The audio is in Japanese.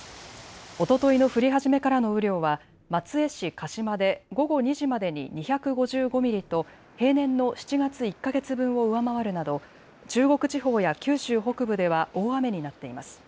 おとといの降り始めからの雨量は松江市鹿島で午後２時までに２５５ミリと平年の７月１か月分を上回るなど中国地方や九州北部では大雨になっています。